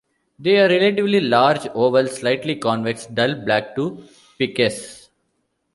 They are relatively large, oval, slightly convex, dull black to piceus.